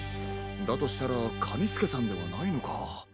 だとしたらカニスケさんではないのか。